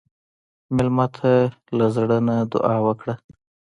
مېلمه ته له زړه نه دعا وکړه.